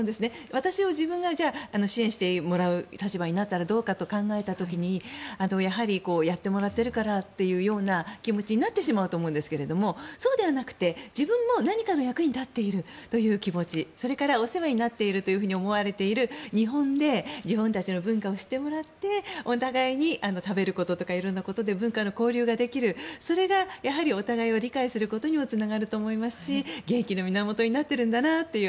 私も自分が支援をしてもらう立場になったらどうかと考えた時にやはりやってもらっているからという気持ちになってしまうと思うんですけどそうではなくて自分も何かの役に立っているという気持ちそれからお世話になっていると思われている日本で自分たちの文化を知ってもらってお互いに食べることとか色んなことで文化の交流ができるそれがやはりお互いを理解することにもつながると思いますし元気の源になっているんだなという。